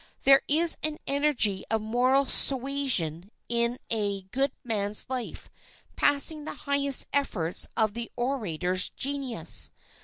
There is an energy of moral suasion in a good man's life passing the highest efforts of the orator's genius.